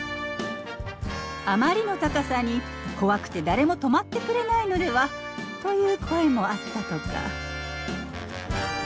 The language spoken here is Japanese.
あまりの高さに「怖くて誰も泊まってくれないのでは？」という声もあったとか。